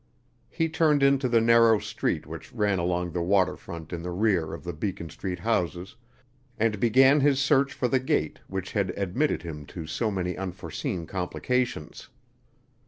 He turned into the narrow street which ran along the water front in the rear of the Beacon Street houses and began his search for the gate which had admitted him to so many unforeseen complications.